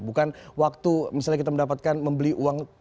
bukan waktu misalnya kita mendapatkan membeli uang